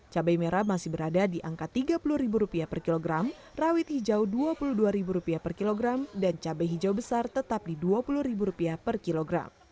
cabai merah masih berada di angka rp tiga puluh per kilogram rawit hijau rp dua puluh dua per kilogram dan cabai hijau besar tetap di rp dua puluh per kilogram